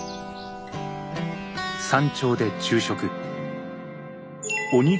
山頂で昼食。